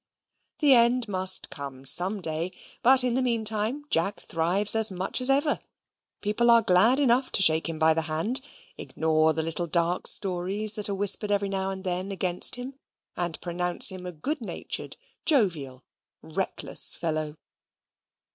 The end must come some day, but in the meantime Jack thrives as much as ever; people are glad enough to shake him by the hand, ignore the little dark stories that are whispered every now and then against him, and pronounce him a good natured, jovial, reckless fellow.